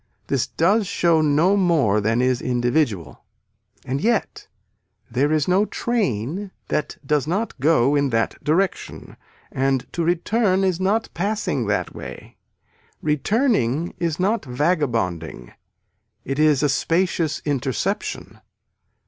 This does show no more than is individual. And yet there is no train that does not go in that direction and to return is not passing that way. Returning is not vagabonding it is a spacious interception.